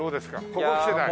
ここ来てない？